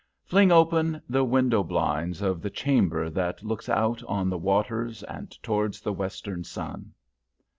Fling open the window blinds of the chamber that looks out on the waters and towards the western sun!